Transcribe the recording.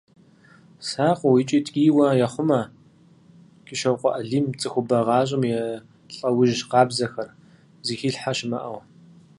Сакъыу икӀи ткӀийуэ ехъумэ КӀыщокъуэ Алим цӀыхубэ гъащӀэм и лӀэужь къабзэхэр, зыхилъхьэ щымыӀэу.